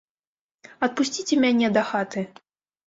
Адпусціце мяне да хаты.